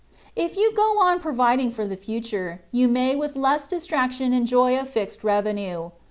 If you go on providing for the fature, you may with less distraction enjoy a fixed revenue.